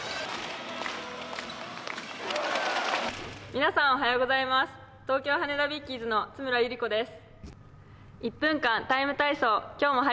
皆さん、おはようございます東京羽田ヴィッキーズの津村ゆり子です。